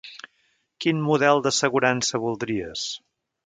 Quin model d'assegurança voldries?